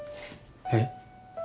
えっ？